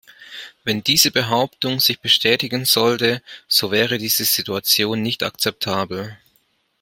Wenn diese Behauptung sich bestätigen sollte, so wäre diese Situation nicht akzeptabel.